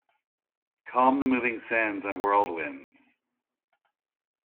Calm the moving sands and whirlwinds.